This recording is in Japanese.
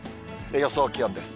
予想気温です。